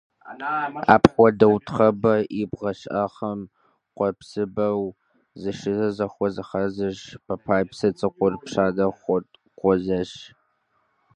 Апхуэдэу, Тхыбэ и бгыщӀэхэм къуэпсыбэу зыщызэхуэзыхьэсыж Пэпай псы цӀыкӀур Пшадэ хокӀуэсэж.